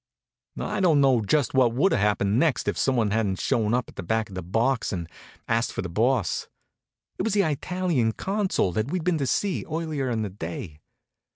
I don't know just what would have happened next if someone hadn't shown up at the back of the box and asked for the Boss. It was the Italian consul that we'd been to see earlier in the day.